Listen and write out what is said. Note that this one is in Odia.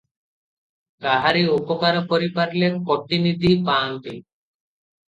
କାହାରି ଉପକାର କରିପାରିଲେ କୋଟିନିଧି ପାଆନ୍ତି ।